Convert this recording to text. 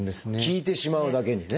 効いてしまうだけにね。